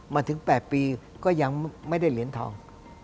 มาถึง๘ปีก็ยังไม่ได้เหรียญทอง